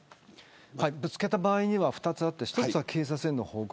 ぶつけた場合には、２つあって１つは警察への報告。